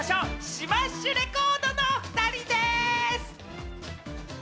シマッシュレコードのお２人です！